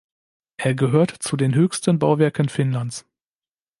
Er gehört zu den höchsten Bauwerken Finnlands.